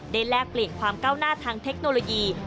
แลกเปลี่ยนความก้าวหน้าทางเทคโนโลยี